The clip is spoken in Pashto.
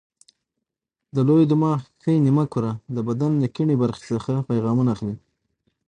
د لوی دماغ ښي نیمه کره د بدن له کیڼې برخې څخه پیغامونه اخلي.